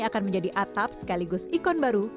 akan menjadi atap sekaligus ikon baru